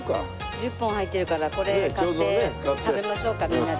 １０本入ってるからこれ買って食べましょうかみんなで。